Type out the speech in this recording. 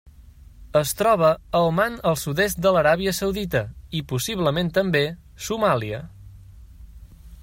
Es troba a Oman el sud-est de l'Aràbia Saudita i, possiblement també, Somàlia.